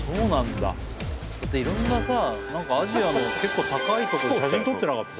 だっていろんなさアジアの結構高いところで写真撮ってなかった？